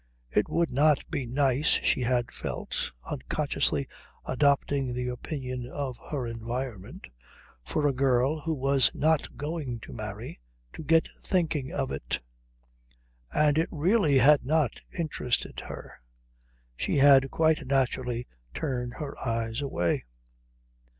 It would not be nice, she had felt, unconsciously adopting the opinion of her environment, for a girl who was not going to marry to get thinking of it. And it really had not interested her. She had quite naturally turned her eyes away.